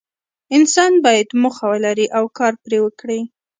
انسان باید موخه ولري او کار پرې وکړي.